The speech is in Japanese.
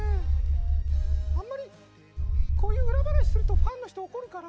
あんまり、こういう裏話するとファンの人怒るから